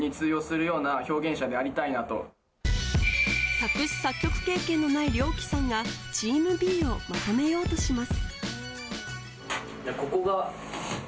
作詞・作曲経験のないリョウキさんがチームＢをまとめようとします。